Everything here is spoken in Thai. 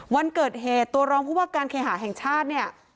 วันเกิดเหตุตัวรองผู้ว่าการเคหาแห่งชาติเนี่ย